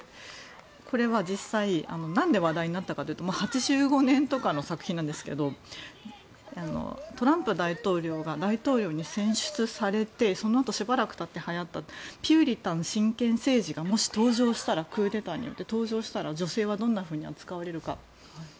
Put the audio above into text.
これは実際なんで話題になったかというと８５年の作品なんですがトランプ大統領が大統領に選出されてそのあとしばらくたってピューリタン新政権というのがもし登場したらクーデターによって登場した女性はどんなふうに扱われるか。